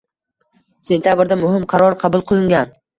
sentabrda muhim qaror qabul qilingan.